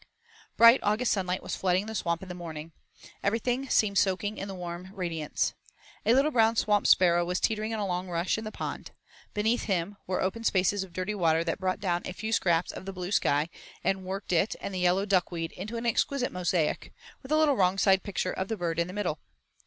IV Bright August sunlight was flooding the Swamp in the morning. Everything seemed soaking in the warm radiance. A little brown swamp sparrow was teetering on a long rush in the pond. Beneath him there were open spaces of dirty water that brought down a few scraps of the blue sky, and worked it and the yellow duck weed into an exquisite mosaic, with a little wrong side picture of the bird in the middle.